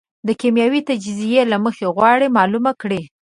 د کېمیاوي تجزیې له مخې غواړي معلومه کړي.